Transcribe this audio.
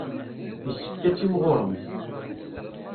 Yessefk ad timɣuremt.